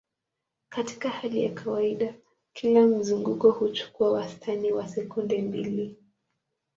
Katika hali ya kawaida, kila mzunguko huchukua wastani wa sekunde mbili.